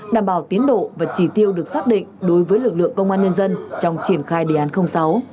đảm bảo tiến độ và chỉ tiêu được xác định đối với lực lượng công an nhân dân trong triển khai đề án sáu